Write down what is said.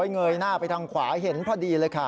เงยหน้าไปทางขวาเห็นพอดีเลยค่ะ